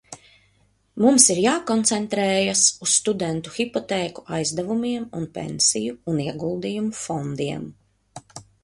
Mums ir jākoncentrējas uz studentu hipotēku aizdevumiem un pensiju un ieguldījumu fondiem.